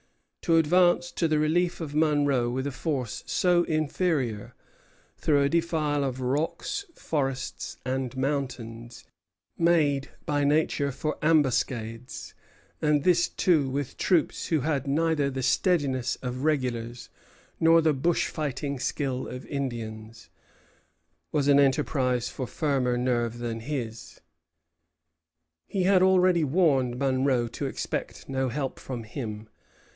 To advance to the relief of Monro with a force so inferior, through a defile of rocks, forests, and mountains, made by nature for ambuscades, and this too with troops who had neither the steadiness of regulars nor the bush fighting skill of Indians, was an enterprise for firmer nerve than his. He had already warned Monro to expect no help from him.